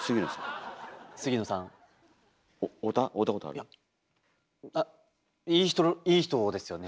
いやあっいい人いい人ですよね。